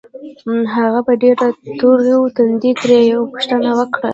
هغه په ډېر تروه تندي ترې يوه پوښتنه وکړه.